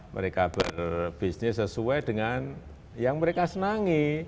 mereka berbisnis sesuai dengan yang mereka senangi